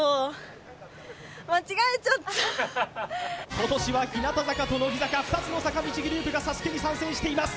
今年は日向坂と乃木坂２つの坂道グループがＳＡＳＵＫＥに参戦しています